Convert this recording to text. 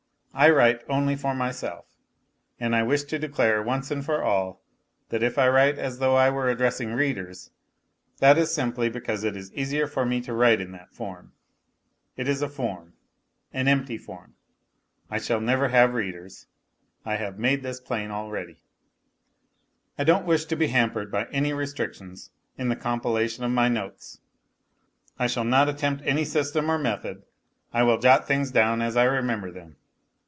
I write only for myself, and I wish to declare once and for all that if I write as though I were address ing readers, that is simply because it is easier for me to w r rite in that form. It is a form, an empty form I shall never have readers. I have made this plain already. ... I don't wish to be hampered by any restrictions in the com pilation of my notes. I shall not attempt any system or method. I will jot things down as I remember them.